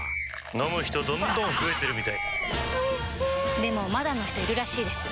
飲む人どんどん増えてるみたいおいしでもまだの人いるらしいですよ